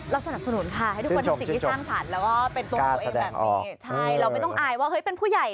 สนับสนุนค่ะให้ทุกคนในสิ่งที่สร้างสรรค์แล้วก็เป็นตัวตัวเองแบบนี้ใช่เราไม่ต้องอายว่าเฮ้ยเป็นผู้ใหญ่